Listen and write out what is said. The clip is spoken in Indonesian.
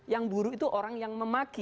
yang buruk itu orang yang memaki